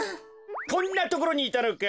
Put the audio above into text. こんなところにいたのか。